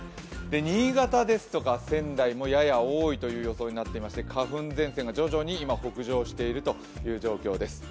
新潟ですとか仙台もやや多いという予想になっていまして花粉前線が徐々に北上している状況です。